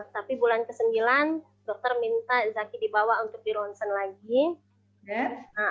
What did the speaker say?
tapi bulan ke sembilan dokter minta zaki dibawa untuk di ronsen lagi